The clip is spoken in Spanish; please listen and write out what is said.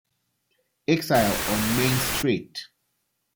Exile on Main St.